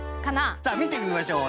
さあみてみましょう。